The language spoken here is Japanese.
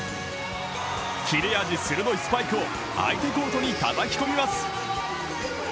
切れ味鋭いスパイクを相手コートにたたき込みます。